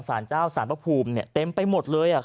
สารเจ้าสารพระภูมิเต็มไปหมดเลย